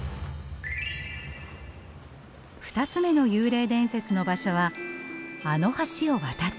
２つ目の幽霊伝説の場所はあの橋を渡ったところ。